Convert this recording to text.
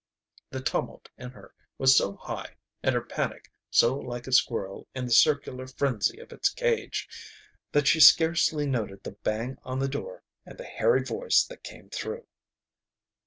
The tumult in her was so high and her panic so like a squirrel in the circular frenzy of its cage that she scarcely noted the bang on the door and the hairy voice that came through.